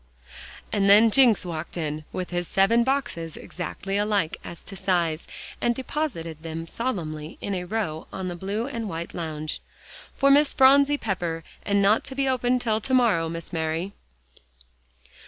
And then Jencks walked in with his seven boxes exactly alike as to size, and deposited them solemnly in a row on the blue and white lounge. "For Miss Phronsie Pepper, and not to be opened till to morrow, Miss Mary."